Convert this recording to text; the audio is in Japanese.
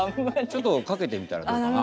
ちょっとかけてみたらどうかな。